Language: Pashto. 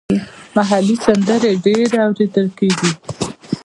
محلي سندرې ډېرې اوریدل کیږي.